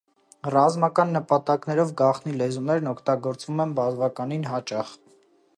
Ռազմական նպատակներով գաղտնի լեզուներն օգտագործվում են բավական հաճախ։